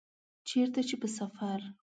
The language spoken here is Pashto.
چیرته چي په سفر